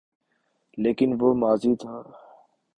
لیکن وہ ماضی تھا۔